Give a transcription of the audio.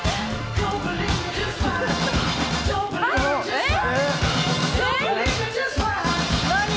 えっ？